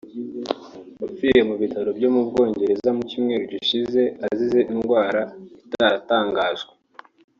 wapfiriye mu bitaro byo mu Bwongereza mu cyumweru gishize azize indwara itaratangajwe